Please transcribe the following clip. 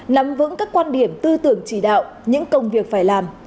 nắm vững các quan điểm tư tưởng chỉ đạo những công việc phải làm